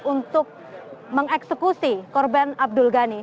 untuk mengeksekusi korban abdul ghani